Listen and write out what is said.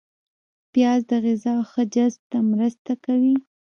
پیاز د غذا ښه جذب ته مرسته کوي